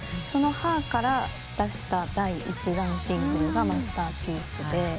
そのｈｅｒから出した第１弾シングルが『マスターピース』で。